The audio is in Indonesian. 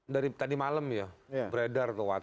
dari tadi malam ya beredar ke whatsapp